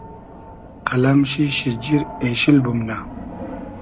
قئلئم شی شیجیر اېشیل بومنۂ